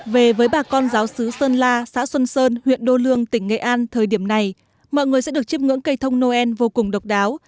về với bà con giáo sứ sơn la xã xuân sơn huyện đô lương tỉnh nghệ an thời điểm này mọi người sẽ được chip ngưỡng cây thông noel vô cùng độc đáo